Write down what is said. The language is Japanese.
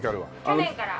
去年から。